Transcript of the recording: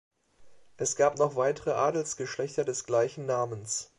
Es gab noch weitere Adelsgeschlechter des gleichen Namens.